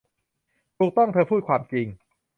ถูกต้อง เธอพูดความจริง